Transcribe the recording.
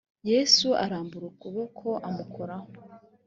yesu arambura ukuboko amukoraho